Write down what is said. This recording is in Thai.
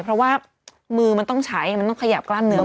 เพราะว่ามือมันต้องใช้มันต้องขยับกล้ามเนื้อ